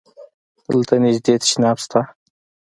دلته نژدی تشناب شته؟